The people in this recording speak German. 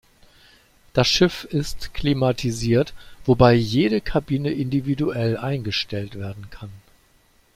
Das Schiff ist klimatisiert, wobei jede Kabine individuell eingestellt werden kann.